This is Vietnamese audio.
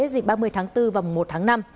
dịch ba mươi tháng bốn và một tháng năm